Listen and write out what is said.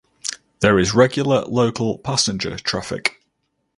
There is regular local passenger traffic.